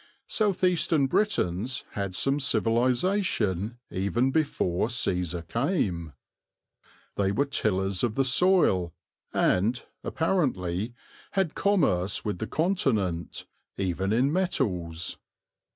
South eastern Britons had some civilization even before Cæsar came. They were tillers of the soil and, apparently, had commerce with the Continent, even in metals.